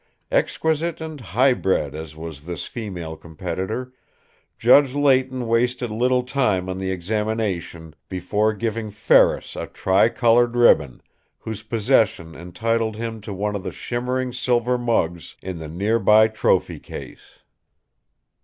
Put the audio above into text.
Exquisite and high bred as was this female competitor, Judge Leighton wasted little time on the examination before giving Ferris a tricolored ribbon, whose possession entitled him to one of the shimmering silver mugs in the near by trophy case.